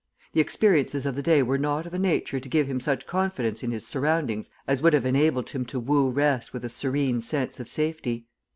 The experiences of the day were not of a nature to give him such confidence in his surroundings as would have enabled him to woo rest with a serene sense of safety.